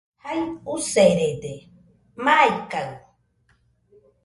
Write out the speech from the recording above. Jai userede, maikaɨ